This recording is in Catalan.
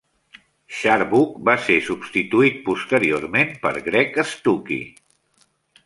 Sharbough va ser substituït posteriorment per Greg Stukey.